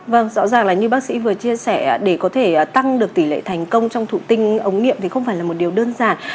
vâng rõ ràng là như bác sĩ vừa chia sẻ để có thể tăng được tỷ lệ thành công trong thụ tinh ống nghiệm thì không phải là một điều đơn giản